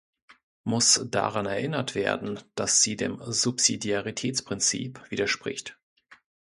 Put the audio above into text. Muss daran erinnert werden, dass sie dem Subsidiaritätsprinzip widerspricht?